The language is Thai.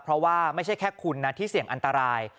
เพราะว่าไม่ใช่แค่คุณนะที่เสี่ยงอันตราย